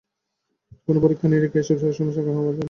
কোনো পরীক্ষা নিরীক্ষায় এসব শারীরিক সমস্যার কারণ পাওয়া যায় না।